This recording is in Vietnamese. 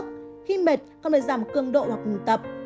khi mệt cần phải giảm cường độ hoặc ngừng tập